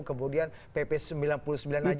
kemudian pp sembilan puluh sembilan lagi